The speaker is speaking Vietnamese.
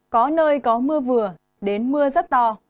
có nơi có mưa vừa đến mưa rất to